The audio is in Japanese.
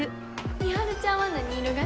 美晴ちゃんは何色が好き？